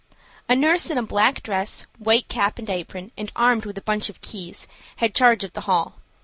A nurse in a black dress, white cap and apron and armed with a bunch of keys had charge of the hall.